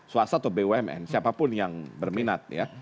swasta atau bumn siapapun yang berminat ya